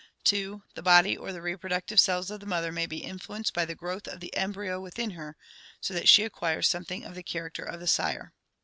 (2) The body or the reproductive cells of the mother may be influenced by the growth of the embryo within her, so that she acquires something of the character of the sire.